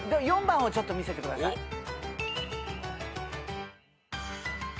４番をちょっと見せてください。